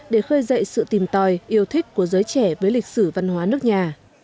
để khơi dậy sự tìm tòi yêu thích của giới trẻ với lịch sử văn hóa nước nhà